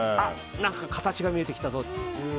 形が見えてきたぞって。